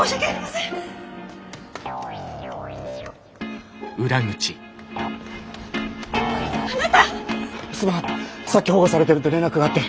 さっき保護されてるって連絡があって。